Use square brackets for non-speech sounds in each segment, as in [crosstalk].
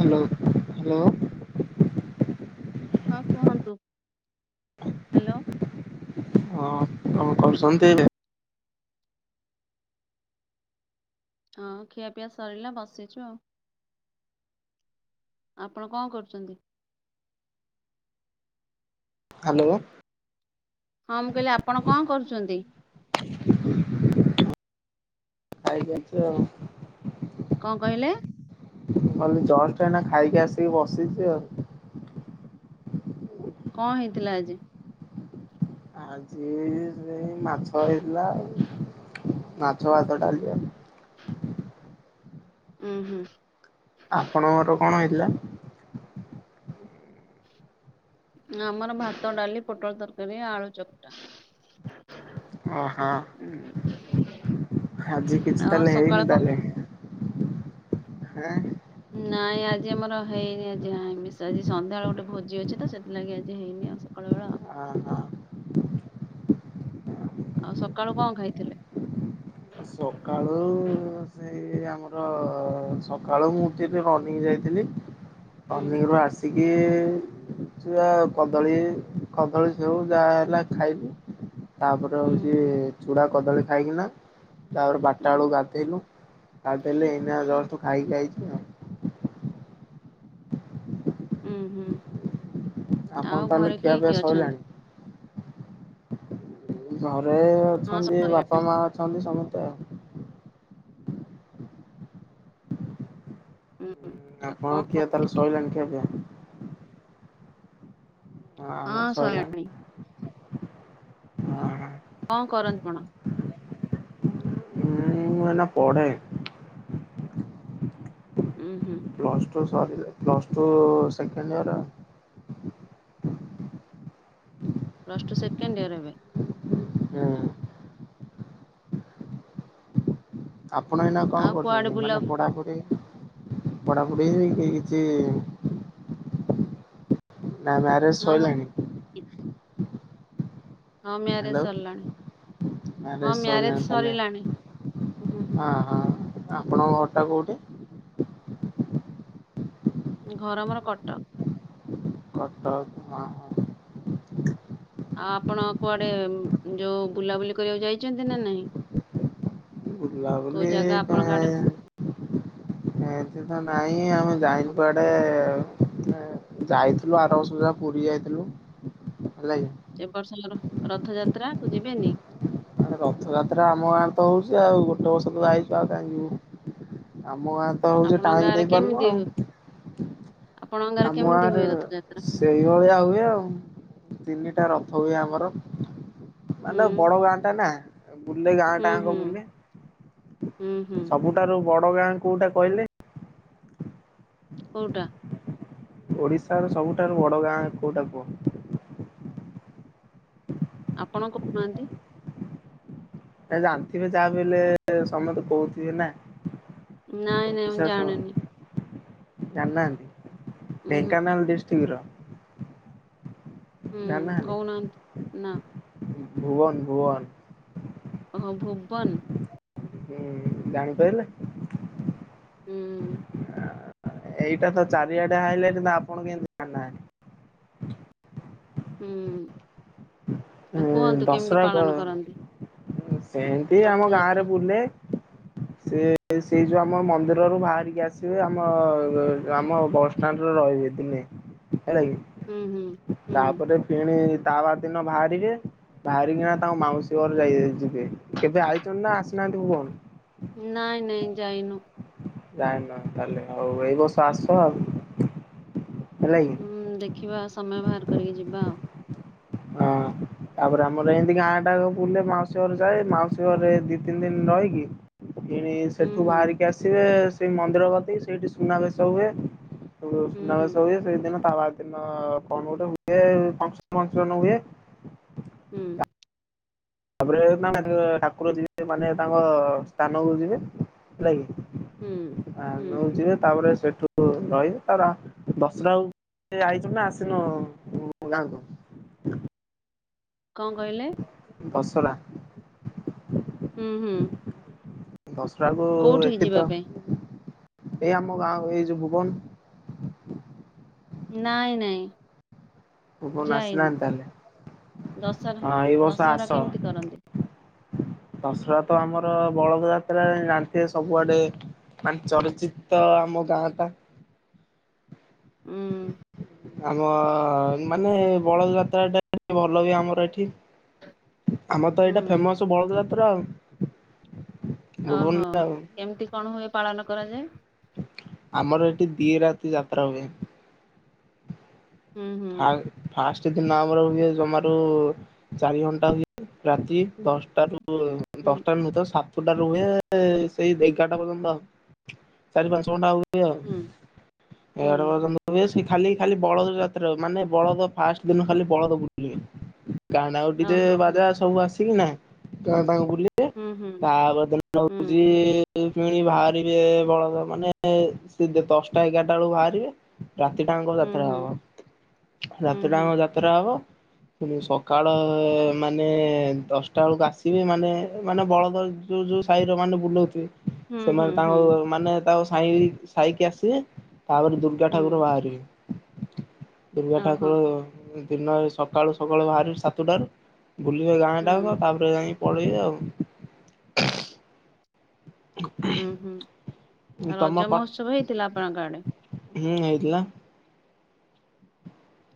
Hello hello. ହଁ କୁହନ୍ତୁ hello. ହଁ କଣ କରୁଛନ୍ତି? ହଁ ଖିଆପିଆ ସରିଲା ବସିଛୁ ଆଉ ଆପଣ କଣ କରୁଛନ୍ତି? ହାଲୋ। ହଁ ମୁଁ କହିଲି ଆପଣ କଣ କରୁଛନ୍ତି? ଆଇ କେଛ କଣ କହିଲେ? ମୁଁ କହିଲି ଜଷ୍ଟ୍ ଏଇନା ଖାଇକି ଆସିକି ବସିଚି ଆଉ କଣ ହେଇଥିଲା ଆଜି? ଆଜି ଏଇ ମାଛ ହେଇଥିଲା। ମାଛ, ଭାତ, ଡାଲି ଆଉ ହୁଁ ହୁଁ। ଆପଣଙ୍କର କଣ ହେଇଥିଲା? ଆମର ଭାତ, ଡାଲି, ପୋଟୋଳ ତରକାରୀ, ଆଳୁ ଚକଟା। ଓହୋ। ଆଜି କିଛି ଆଉ ତାହେଲେ ସକାଳେ କ ହଁ। ନାଇଁ ଆଜି ଆମର ହେଇନି ଆଜି ଆମିଷ ଆଜି ସନ୍ଧ୍ୟାବେଳେ ଗୋଟେ ଭୋଜି ଅଛିତ ସେଥିଲାଗି ଆଜି ହେଇନି ଆଉ ସକାଳ ବେଳା। ଆଉ ହଁ ହଁ। ଆଉ ସକାଳୁ କଣ ଖାଇଥିଲେ? ସକାଳୁ ସେଇ ଆମର ସକାଳୁ ମୁଁ ଉଠିକି ରନିଂ ଯାଇଥିଲି। ହୁଁ ରନିଂ ରୁ ଆସ ଏତିକି ଚୁଆ କଦଳୀ କଦଳୀ ସବୁ ଯାହା ହେଲା ଖାଇବୁ। ତାପରେ ହୁଁ ହଉଛି ହୁଁ। ଚୁଡା କଦଳୀ ଖାଇକି ନା ତାପରେ ବାରଟା ବେଳକୁ ହୁଁ ଗାଧେଇଲୁ ଗାଧେଇଲେ ଏଇନା ଜଳୁ ଖାଇ ଖାଇଛି ଆଉ ଉୁଁ ହୁଁ ଆପଣ ଆଉ ତାହେଲେ ଘରେ କିଏ ଖିଆପିଆ କିଏ ଅଛନ୍ତି? ସଇଲାଣି? ଘରେ ହଁ ଅଛନ୍ତି ସରିଲାଣି। ବାପା ମା ଅଛନ୍ତି ସମସ୍ତେ ଆଉ ହୁଁ ଆଉ କଣ ଆପଣ କର? ଖିଆ ତାହେଲେ ସରିଲାଣି ଖିଆପିଆ? ଆମର ହଁ ସଇଲାଣି ସରିଲାଣି। ହଁ। କଣ କରନ୍ତି କଣ? ମୁଁ ମାନେ ପଢେ। ଉଁ ହୁଁ। ପ୍ଲସ ଟୁ ସଇଲେ ପ୍ଲସ୍ ଟୁ ସେକେଣ୍ଡ ଇଅର। ହୁଁ ପ୍ଲସ ଟୁ ସେକେଣ୍ଡ ଇଅର ଏବେ। ହୁଁ। ଆପଣ ଏଇନା କଣ ଆଉ କୁଆଡେ କରୁଛନ୍ତି ବୁଲା ମାନେ ପଢାପଢ଼ି ପଢାପଢ଼ି କି କିଛି ନା ମ୍ୟାରେଜ୍ ହଁ ମ ସଇଲାଣି? ହଁ ମ୍ୟାରେଜ୍ ହ୍ୟାଲୋ। ସରିଲାଣି। ହଁ ମ୍ୟାରେଜ ମ୍ୟାରେଜ୍ ସଇଲାଣି ତାହେଲେ ସରିଲାଣି। ହୁଁ, ହୁଁ। ହଁ ହଁ ଆପଣଙ୍କ ଘର ଟା କୋଉଠି? ଘର ମୋର କଟକ୍। କଟକ୍ ଆ ହାଁ। ଆଉ ଆପଣ କୁଆଡେ ଯୋଉ ବୁଲାବୁଲି କରିବାକୁ ଯାଇଛନ୍ତି ନା ନାହିଁ? ବୁଲା କୋଉ ବୁଲି ଜାଗା ଆପଣଙ୍କ ଆଡେ କାଇଁ ଏନ୍ତି ତ ନାଇଁ ଆମେ ଯାଇନୁୁ କୁଆଡେ ଯାଇଥିଲୁ ଆର ବର୍ଷ ଯାହା ପୁରୀ ଯାଇଥିଲୁ। ହେଲାଗୀ। ଏ ବର୍ଷ ର ରଥଯାତ୍ରା କୁ ଯିବେନି? ଆଉ ରଥଯାତ୍ରା ଆମ ଗାଁରେ ତ ହଉଛି ଆଉ ଗୋଟେ ବର୍ଷ ତ ଯାଇଛୁ ଆଉ କାହିଁ ଯିବୁ। ଆମ ଗାଁ ତ ହଉଛି ଆପଣଙ୍କ ଟାଇମ୍ ଗାଁରେ ଦେଇ ପାରୁନୁ କେମିତି ଆଉ। ହୁଏ? ଆପଣଙ୍କ ଗାଁରେ କେମିତି ହୁଏ ରଥଯାତ୍ରା? ସେଇଭଳିଆ ହୁଏ ଆଉ, ତିନିଟା ରଥ ହୁଏ ଆମର। ହୁଁ ମାନେ ବଡ ଗାଁ ଟା ନା ବୁଲେ ଗାଁ ହୁଁ ଟାଙ୍କ ହୁଁ ବୁଲେ। ହୁଁ ହୁଁ ସବୁଠାରୁ ବଡ ଗାଁ କୋଉଟା କହିଲେ? କୋଉଟା? ଓଡିଶାର ସବୁଠାରୁ ବଡ ଗାଁ କୋଉଟା କୁହ? ଆପଣ କଣ କହୁନାହାନ୍ତି? ଜାଣିଥିବେ ଯାହା ବି ହେଲେ ସମସ୍ତେ କହୁଥିବେ ନା। ନାଇଁ ନାଇଁ ମୁଁ ଜାଣିନି [unintelligible] ଜାନାହାନ୍ତି ଉଁ ହୁଁ ଢେଙ୍କାନାଳ ଡିଷ୍ଟ୍ରି ଶିଗୀର ହୁଁ ଜାହାନ୍ତି? କହୁନାହାନ୍ତି। ନା ଭୁବନ ଭୁବନ। ହଁ ଭୁବନ୍। ହୁଁ ଜାଣିପାରିଲ? ହୁଁ। ଏଇଟା ତ ଚାରିଆଡେ ହାଇ ଲାଇଟ୍ ମୁଁ ଆପଣ କେମତି ନା ନା ହୁଁ ଉଁ ଆଉ କୁହନ୍ତୁ କେମିତି ପାଳନ କରନ୍ତି? ମୁଁ ସେମ୍ ତି ଆମ ଗାଁରେ ରଥଯାତ୍ରା? ବୁଲେ। ସେ ସେ ଯୋଉ ଆମ ମନ୍ଦିରରୁୁ ବାହାରିକି ଆସିବେ ଆମ ଆମ ବସ୍ ଷ୍ଟାଣ୍ଡ ରେ ରହିବେ ଦିନେ। ହେଲା ହୁଁ ହୁଁ କି। ହୁଁ ତାପରେ ଫେଣେ ତା ବାର ଦିନ ବାହା ରିବେ। ବାହାରିକିନା ତାଙ୍କ ମାଉସୀ ଘର ଯାଇ ଯିବେ। କେବେ ଆଇଛନ୍ତି ନା ଆସିନାହାନ୍ତି ଭୁବନ? ନାଇଁ ନାଇଁ ଯାଇନୁ। ଯାଇନ ତାହେଲେ, ହୋଉ ଏଇ ବର୍ଷ ଆସ ଆଉ। ହେଲାକି। ହୁଁ ଦେଖିବା ସମୟ ବାହାର କରିକି ଯିବା ଆଉ। ହଁ। ତାପରେ ଆମର ଏମିତି ଗାଁ ଟାକ ବୁଲେ ମାଉସୀ ଘରେ ଯାଏ। ମାଉସୀ ଘରେ ଦି ତିନି ଦିନ ରହିକି ଏଣି ହୁଁ ସେଠୁ ହୁଁ ବାହାରିକି ଆସିବେ ସେଇ ମନ୍ଦିର କତିକି, ସେଇଠି ସୁନାବେଶ ହୁଏ। ହୁଁ ହୁଁ ସୁନାବେସ ହୁଏ ସେଇଦିନ ତା ବାର ଦିନ କଣ ଗୋଟେ ହୁଏ ଫକ୍ସନ ଫକ୍ସନ ହୁଏ। ହୁଁ। ତାପରେ ମାନେ ଠାକୁର ଯିବେ ମାନେ ତାଙ୍କ ସ୍ଥାନକୁ ଯିବେ। ହେଲା ହୁଁ କିି ଆ ହୁଁ ନଉ ଜିବେ। ତାପରେ ସେଠୁ ରହିବେ ତାର ବସିଲା ବେଳୁ ସେ ଆଇଚୁନା ନା ଆସିନୁ ଗାଁକୁ? କଣ କହିଲେ? ଦସରା। ହୁଁ ହୁଁ। ଦଶରାକୁୁ କୋଉଠିକି ଏଠି ଯିବା ତ ପାଇଁ? ଏଇ ଆମ ଗାଁ ଏଇ ଯଉ ଭୁବନ୍। ନାଇଁ ନାଇଁ। ଭୁବନ ଯାଇନୁ ଆସିନାହାନ୍ତି ତାହେଲେ। ଦଶରା ହଁ ଦଶହରା କେମିତି କରନ୍ତି? ଦଶ୍ରା ତ ଆମର ବଳଦ ଯାତ୍ରା ଜାଣିଥିବେ ସବୁଆଡ଼େ ମାନେ ଚଳଚିତ୍ତ ଆମ ଗାଁ ଟା। ହୁଁ। ଆମ ମାନେ ବଳଦ ଯାତ୍ରାଟା ଟିକେ ଭଲ ହୁଏ ଆମର ଏଠି। ଆମର ତ ଏଇଟା ହୁଁ ଫେମସ୍ ବଳଦ ଯାତ୍ରା ଆଉ। ଓହୋ ଭୁବନରେ ଆଉ। କେମିତି କଣ ହୁଏ ପାଳନ କରାଯାଏ? ଆମର ଏଠି ଦି ରାତି ଯାତ୍ରା ହୁଏ। ହୁଁ ହୁଁ ଫା ଫାଷ୍ଟେ ଦିନ ଆମର ହୁଏ ଜମାରୁ ଚାରି ଘଣ୍ଟା ହୁଏ ରାତି ଦଶଟା ରୁ ହୁଁ ଦଶଟାରୁ ନୁଏ ତ ସାତଟା ରୁ ହୁଏ ସେଇ ଏଗାରଟା ପର୍ଯ୍ୟନ୍ତ ଚାରି ପାଞ୍ଚ ଘଣ୍ଟା ହୁ ଏ ଆଉ ହୁଁ ହୁଁ ଏଗାଟା ପର୍ଯ୍ୟନ୍ତ ହୁଏ ସେ ଖାଲି ଖାଲି ବଳଦ ଯା ତ୍ର ମାନେ ବଳଦ ଫାଷ୍ଟ୍ ଦିନ ଖାଲି ବଳଦ ବୁଲିବେ। ଗାଁ ଟା ଙ୍କ ଡ଼ିଜେ ଓହୋ ହୋ ବାଜା ସବୁ ଆସିକି ନା ଗାଁ ଟାଙ୍କୁ ବୁଲି ବେ ହୁଁ ହୁଁ ତା ପର ଦିନ ହୁଁ ହୋଉଚି ସେ ଫେଣି ବାହାରିବେ ବଳଦ ମାନେ ସେ ଦଶଟା ଏଗାରଟା ବେଳକୁ ବାହାରିବେ। ରାତିଟାଙ୍କ ହୁଁ ଯାତ୍ରା ହୁଁ ହବ ହୁଁ ରାତିଟାଙ୍କ ହୁଁ ଯାତ୍ରା ହବ ସକାଳ ମାନେ ଦଶଟା ବେଳକୁ ଆସିବେ ମାନେ ମାନେ ବଳଦ ଯୋଉ ଯୋଉ ସାଇର ମାନେ ବୁଲଉଥୁବେ। ହୁଁ ସେମାନେ ହୁଁ ହୁଁ ତାଙ୍କ ମାନେ ତାଙ୍କ ସାଇ ସାଇକି ଆସିବେ ତାପରେ ଦୁର୍ଗା ହୁଁ ଠାକୁର ବାହାରିବେ। ଦୁର୍ଗା ଓହୋ ଠାକୁର ଦିନ ସକାଳୁ ସକାଳୁ ବାହାରିବେ ସାତଟାରୁ। ବୁଲିବେ ଗାଁ ହୁଁ ଟା ଯାକ ତାପରେ ଯାଇକି ପଳେଇ ଆଉ। ହ। ଉଁ ହୁଁ ରଜ ମହୋତ୍ସବ ହେଇଥିଲା ଆପଣଙ୍କ ଆଡ଼େ? ହୁଁ ହେଇଥିଲା।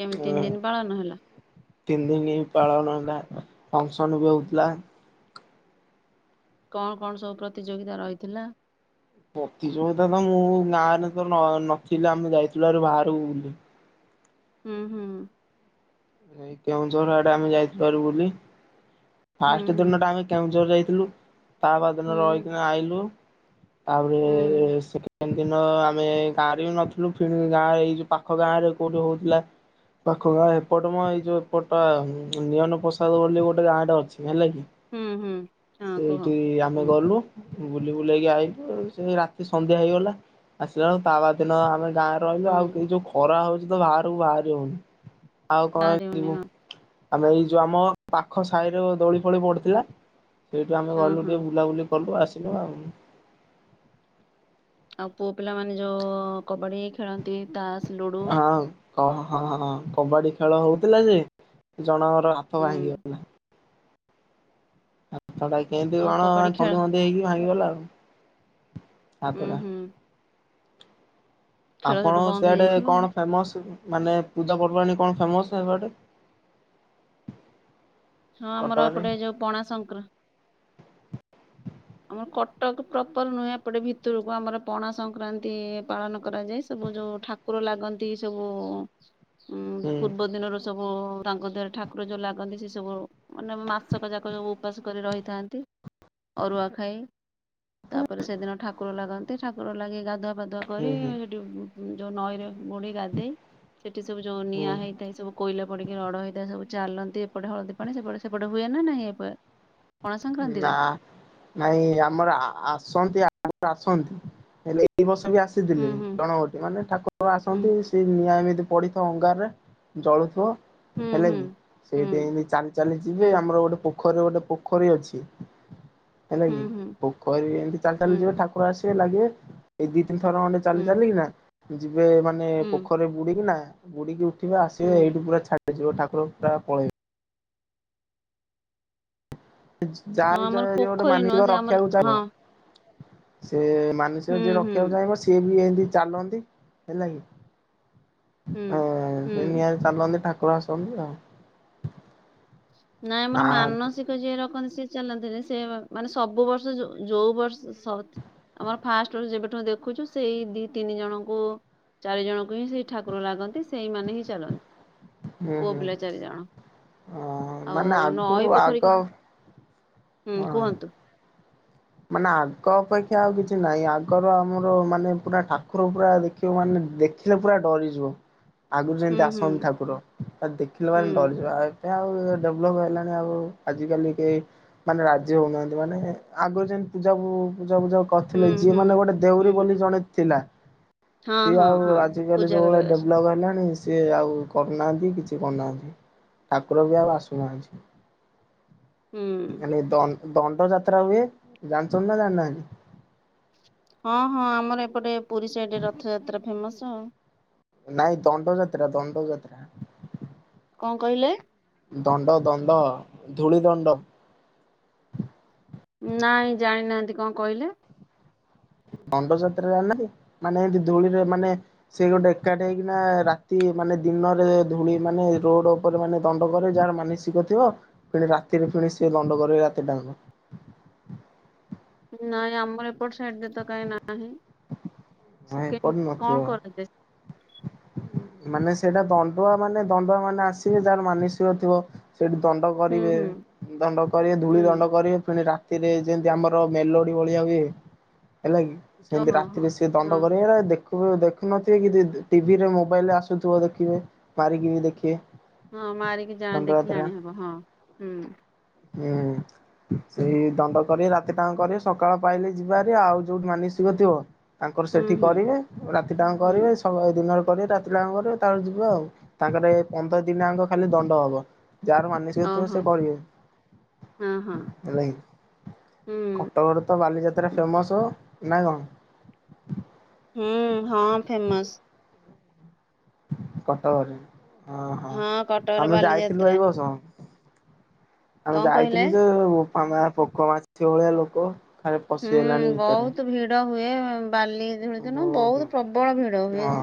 କେମିତି ତିନି ଦିନି ପାଳନ ହେଲା? ତିନି ଦିନି ପାଳନ ହେଲା ଫଙ୍କସନ ବି ହଉଥିଲା। କଣ କଣ ସବୁ ପ୍ରତିଯୋଗିତା ରହିଥିଲା? ପ୍ରତିଯୋଗିତା ତ ମୁଁ ଗାଁରେ ତ ନ ନଥିଲି ଆମେ ଯାଇଥିଲୁ ଆରୁ ବାହାରକୁ ବୁଲି। ହୁଁ ହଁ। ସେ କେଉଁଝର ଆଡ଼େ ଆମେ ଯାଇଥିବାରୁୁ ବୁଲି। ହୁଁ ଫାଷ୍ଟ ହୁଁ ଦିନଟା ଆମେ କେଉଁଝର ଯାଇଥିଲୁ ତା ବା ହୁଁ ଦିନ ରହିକିନା ଆଇଲୁ। ହୁଁ ତାବେରେ ସେଠି ତିନି ଦିନ ଆମେ ଗାଁ ରେ ବି ନଥିଲୁ ଗାଁ ଏଇ ଯୋଉ ପାଖ ଗାଁ ରେ କୋଉଠି ହଉଥିଲା ପାଖ ଗାଁ ଏପଟ ନୁଅଁ ଏଇ ଯୋଉ ଏପଟା ନିଅନ ପ୍ରସାଦ ବୋଲି ଗୋଟେ ଗାଁ ଟେ ଅ ହେଲା କି ହୁଁ ହୁଁ ହଁ କୁହ ସେଇଠି ଆମେ ହୁଁ ଗଲୁ। ବୁଲି ବୁଲାକି ଆଇଲୁ ସେ ରାତି ସନ୍ଧ୍ୟା ହେଇଗଲା ଆସିଲା ବଳ ତା ବାଦ୍ ଦିନ ଆମେ ଗାଁରେ ରହିଲୁ ଆଉ ହୁଁ କେ ଯୋଉ ଖରା ହଉଛି ତ ବାହାରକୁ ବାହାରି ହଉନି। ଆଉ କଣ ବାହାରିବନି ଯିବୁ ହଁ ଆମେ ଏଇ ଯୋଉ ଆମ ପାଖ ସାହିରେ ଦୋଳି ଫୋଳି ପଡ଼ିଥିଲା ସେଇଠୁ ଆମେ ହଁ ଗଲୁ ହଁ ଟିକେ ବୁଲାବୁଲି କଲୁ ଆସିଲୁ ଆଉ। ଆଉ ପୁଅ ପିଲାମାନେ ଯୋଉ କବାଡ଼ି ଖେଳନ୍ତି ତାସ୍ ହଁ ହଁ ହଁ ହଁ ହଁ କବାଡ଼ି ଖେଳ ହଉଥିଲା ଯେ ଜଣଙ୍କର ହାତ ହୁଁ ଭାଙ୍ଗିିଗଲା। ତଟା କେନ୍ତି ଓ କଣ କବାଡି ଖେଳ ଛନ୍ଦି ମନ୍ଦି ହେଇକି ଭାଙ୍ଗିଗଲା ଆଉ। ଉଁ ହାତଟା ହୁଁ। ଖେଳ ସେଠୁ ଆପଣ ବନ୍ଦ ସିଆଡ଼େ ହେଇଯାଇଥିବ କଣ ଫେମସ ମାନେ ପୂଜା ପର୍ବାଣୀ କଣ ଫେମସ ଏପଟେ? ହଁ ଆମର ଏପଟେ ଯୋଉ ପଣା ସଂକ୍ରାନ୍ତି। ଆମର କଟକ ପ୍ରପର ନୁହେଁ ଏପଟେ ଭିତରକୁ ଆମର ପଣା ସଂକ୍ରାନ୍ତି ପାଳନ କରାଯାଏ ସବୁ ଯୋଉ ଠାକୁ ଥାକୁ ଲାଗନ୍ତି ସବୁ ଉ ହୁଁ ପୂର୍ବ ଦିନର ସବୁ ତାଙ୍କ ଦେହରେ ଠାକୁର ଯୋଉ ଲାଗନ୍ତି ସେ ସବୁ ମାନେ ମାସକ ଯାକ ଯୋଗଁ ଉପାସ କରି ରହିଥାନ୍ତି ଅରୁଆ ଖାଇ ତାପରେ ସେଦିନ ଠାକୁର ଲାଗନ୍ତି ଠାକୁର ଲାଗି ଗାଧୁଆ ଗାଧୁଆ ହୁଁ କରି ହୁଁ ସେଠି ଯୋଉ ନଈରେ [inaudible] ଗାଧେଇ ସେଠି ସବୁ ଯୋଉ ହୁଁ ନିଆଁ ହେଇଥାଏ ସବୁ କୋଇଲା ପଡିକି ରଡ ହେଇଥାଏ ସବୁ ଚାଲନ୍ତି ଏପଟେ ହଳଦୀ ପାଣି ସେପଟେ ସେପଟେ ହୁଏ ନା ନାଁଇ ନା ନାଇଁ ଆମର ଆସନ୍ତି ଆ ଆସନ୍ତି ହେଲେ ଏଇ ବର୍ଷ ବି ଆସ ହୁଁ ହୁଁ ଗଣବଟି ମାନେ ଠାକୁର ହୁଁ ଆସନ୍ତି। ସେ ନିଆଁ ଏମିତି ପଡିଥିବ ଅଙ୍ଗାରରେ ଜଳୁଥିବ। ହୁଁ ହେଲା ହୁଁ କି ସେଇଥି ହୁଁ। ଏମତି ଚାଲି ଚାଲି ଯିବେ ହୁଁ ଆମର ଗୋଟେ ପୋଖରୀରେ ଗୋଟେ ପ ପୋଖରୀ ଅଛି ହେଲା ହୁଁ କି ହୁଁ ପୋଖରୀ ଏମିତି ଚାଲି ଚାଲି ହୁଁ ଯିବ ଠାକୁର ଆସିବେ ଲାଗିବେ ଏଇ ଦି ତିନ ଥର ଖଣ୍ଡେ ଚାଲି ହୁଁ ଚାଲିଲ କି ନା ଯିବେ ମାନେ ହୁଁ ହୁଁ ପୋଖରରେ ବୁଡିକି ନା ବୁଡିକି ଉଠିବେ ଆସିବେ ହଁ ଏଇଠୁ ପୁରା ଛା ଯିବ ଠାକୁର ଟା ପଳେଇବ ଯାହା ବି ଆମର ଗୋଟେ ପୋଖରୀ ନୁହଁ ମାନସିକ ସେ ଆମର ରଖିବାକୁ ଚାହିବ। ହଁ ସେ ମାନସିକ ହୁଁ ଯିଏ ହୁଁ ରଖିବାକୁ ଚାହିଁବ ସିଏ ବି ଏମତି ଚାଲନ୍ତି ହେଲା କି ହୁଁ ହଁ ସେ ହୁଁ ନି ଚାଲନ୍ତି ଠାକୁର ଆସନ୍ତି ଆଉ ନାଇଁ ଆ ଆମର ମାନସିକ ଯିଏ ରଖନ୍ତି ସିଏ ଚାଲନ୍ତିନି ସେ ମାନେ ସବୁ ବର୍ଷ ଯୋଉ ବର୍ଷ ଆମର ଫାଷ୍ଟରୁ ଯେବେଠୁ ଦେଖୁଛୁ ସେଇ ଦି ତିନି ଜଣଙ୍କୁ ଚାରି ଜଣଙ୍କୁ ହିଁ ସେଇ ଠାକୁର ଲାଗନ୍ତି ସେଇମାନେ ହିଁ ଚାଲନ୍ତି ହୁଁ ପୁଅ ହୁଁ ପିଲା ଚାରିଜଣ। ଅ ଆଉ ମାନେ ଆଗରୁ ନଈ ପୋଖରୀ ଆଗ କି ହୁଁ ହଁ କୁହନ୍ତୁ? ମାନେ ଆଗ ଅପେକ୍ଷା ଆଉ କିଛି ନାହିଁ ଆଗର ଆମର ମାନେ ପୁରା ଠାକୁର ପୁରା ଦେଖ ମାନେ ଦେଖିଲେ ପୁରା ଡରିଯିବ। ଆଗରୁ ଯେମିତି ହୁଁ ହୁଁ ଆସନ୍ତି ଠାକୁର ତା ଦେଖିଲେ ହୁଁ ମାନେ ଡରିଯିବ। ଏ ଆଉ ଡେଭଲପ ହେଲାଣି ଆଉ ଆଜିିକାଲି କେହି ମାନେ ରାଜ୍ୟ ହଉନାହାନ୍ତି ମାନେ ଆଗରୁ ଯେମିତି ପୂଜା ପୂଜା ବୂଜା ହୁଁ କରିଥିଲେ ଯିଏ ହୁଁ ମାନେ ଗୋଟେ ଦେଉରୀ ହୁଁ ବୋଲି ଜଣେ ଥିଲା। ହଁ ସିଏ ହଁ ଆଉ ହଁ ଆଜିକାଲି ପୂଜା ଯୋଉ ଭଳି କରିବାକୁ ଆସୁ ଡେଭଲପ୍ ହେଲାଣି ସେ ଆଉ କରୁନାହାନ୍ତି କିଛି କରୁନାହାନ୍ତି ଠାକୁର ବି ଆଉ ଆସୁନାହାନ୍ତି। ହୁଁ ଖାଲି ଦଣ୍ଡ ଯାତ୍ରା ହୁଏ ଜାଣିଛନ୍ତି ନା ଜାଣିନାହାନ୍ତି? ହଁ ହଁ ଆମର ଏପଟେ ପୁରୀ ସାଇଡ଼ ରଥଯାତ୍ରା ଫେମସ୍। ନାଇଁ ଦଣ୍ଡଯାତ୍ରା ଦଣ୍ଡଯାତ୍ରା କଣ କହିଲେ? ଦଣ୍ଡ ଦଣ୍ଡ ଧୂଳି ଦଣ୍ଡ। ନାଇଁ ଜାଣିନାହାନ୍ତି କଣ କହିଲେ? ଦଣ୍ଡ ଯାତ୍ରା ରେ ନାଁ ମାନେ ଏମିତି ଧୂଳିରେ ମାନେ ସେ ଗୋଟେ ଏକାଠି ହେଇକି ନା ରାତି ମାନେ ଦିନରେ ଧୂଳି ମାନେ ରୋଡ ଉପରେ ମାନେ ଦଣ୍ଡ କରେ ଯାହାର ମାନସିକ ଥିବ। ପୁଣି ରାତିରେ ସେ ଦଣ୍ଡ କରିବେ ରାତି ଟାଙ୍କ। ନାଇଁ ଆମର ଏପଟ ସାଇଟ ଯେ ତ କାହିଁ ନାହିଁ ହଁ ସେ ଏପଟେ କେମତି ନଥିବ। କଣ କରାଯାଏ? [inaudible] ମାନେ ସେଇଟା ଦଣ୍ଡୁଆ ମାନେ ଦଣ୍ଡୁଆ ମାନେ ଆସିବେ ଯାର ମାନସିକ ଥିବ। ସେଇଠି ଦଣ୍ଡ ହୁଁ କରିବେ ହୁଁ ଦଣ୍ଡ କରିବେ ଧୂଳି ହୁଁ ଦଣ୍ଡ କରିବେ। ରାତିରେ ଯେମିତି ଆମର ମେଲୋଡି ଭଳିଆ ହୁଏ ହେଲା କି ସେମତି ଓହୋ ହୋ ରାତିରେ ସିଏ ଦଣ୍ଡ ହଁ କରିବେ। ଦେଖ ଦେଖୁନଥିବେ କିନ୍ତ ଟିଭି ରେ ମୋବାଇଲରେ ଆସୁଥିବ ଦେଖିବେ। ମାରିକି ବି ଦେଖିବେ। ହଁ ମାରିକି ଯାଏଁ ଦେଖିଲେ ଦଣ୍ଡଯାତ୍ରା ଜାଣିହବ ହଁ ହୁଁ। ହୁଁ। ସେଇ ଦଣ୍ଡ କରି ରାତିଯାଙ୍କ କରି ସକାଳ ପାଇଲେ ଯିବା ଭାରି ଆଉ ଯୋଉଠି ମାନସିକ ଥିବ ତାଙ୍କର ହୁଁ ସେଠି ହୁଁ କରିବେ ରାତିଯାଙ୍କ ହୁଁ କରିବେ ସେ ହଉ ଆଉ ଦିନରେ କରିବେ ରାତି ରେ ଆରମ୍ଭ କରିବେ ତାପରେ ଯିବ ଆଉ ତାପରେ ପନ୍ଦର ଦିନଯାଙ୍କ ଖାଲି ଦଣ୍ଡ ହବ। ଯାହାର ମାନସିକ ଥିବ ଓହୋ ସେ କରିବେ ହଁ ହଁ ହେଲା କି କଁ ହୁଁ। ତମର ତ ବାଲିଯାତ୍ରା ଫେମସ୍ ନାଁ କଣ? ହୁଁ ହଁ ଫେମସ୍। କଟକରେ ହଁ ହଁ କଟକରେ ଆମେ ଯାଇଥିଲୁ ବାଲିଯାତ୍ରା ଏଇ ବର୍ଷ ଆମେ କଣ କହିଲେ? ଯାଇଥିଲୁ ଯେ ହେ ବୋପା ମା ପୋକ ମାଛି ଭଳିଆ ଲୋକ। ଖାଲି ହୁଁ ପଶିଗଲାଣି ଭିତରେ। ବହୁତ ଭିଡ ହୁଏ ଉଁ ବାଲିଯାତ୍ରା ଦିନ ବହୁତ ପ୍ରବଳ ଭିଡ ହୁଏ। ହଁ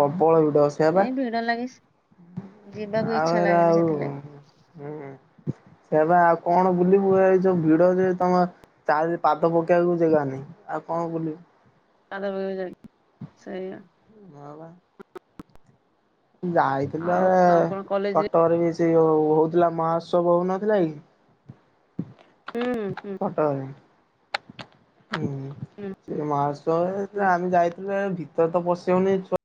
ପ୍ରବଳ ଭିଡ ସେ ଏଇ ଭିଡ ଲାଗେ ସେ ଯିବାକୁ ଆଉ ଇଚ୍ଛା ଏରା ଲାଗେନି ଆଉ ସେଥିଲାଗି। ହୁଁ ସେଇଆ ବା ଆଉ କଣ ବୁଲିବୁ ଏଇ ଯୋଉ ଭିଡ ଯେ ତମ ଚାଲିଲେ ପାଦ ପକେଇବାକୁ ଜେଗେ ନାହିଁ ଆଉ କଣ ବୁଲିବୁ। ପାଦ ପକେଇବାକୁ ଜାଗା ସେଇଆ। ହଁ ବା। ଯାଇଥିଲା ଆଉ କ ଆଉ କଣ କଲେଜରେ କଟକରେ ବି ସେଇ ଯୋଉ ହଉ ହଉଥିଲା ମହୋତ୍ସବ ହଉନଥିଲା କି? ହୁଁ ହୁଁ। କଟକରେ ହୁଁ। ହୁଁ। ମହାତ୍ସବ ହେଇଥିଲା ଆମେ ଯାଇଥିଲେ ଭିତରେ ତ ପଶି ହଉନି ଏଇ ଛୁଆ